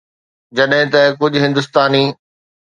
جڏهن ته ڪجهه هندستاني